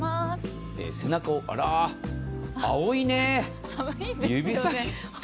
背中を、あら、青いね。